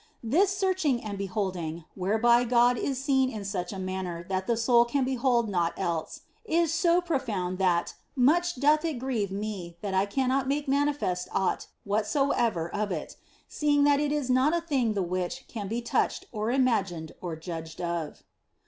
This searching and beholding (whereby God is seen in such a manner that the soul can behold naught else) is so profound that much doth it grieve me that I cannot make manifest aught whatsoever OF FOLIGNO 27 of it, seeing that it is not a thing the which can be touched or imagined or judged of.